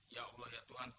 ya allah ya tuhanku